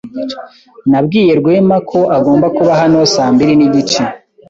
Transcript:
Nabwiye Rwema ko agomba kuba hano saa mbiri nigice.